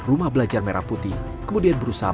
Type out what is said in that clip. rumah belajar merah putih kemudian berusaha